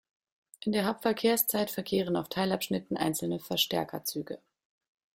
In der Hauptverkehrszeit verkehren auf Teilabschnitten einzelne Verstärkerzüge.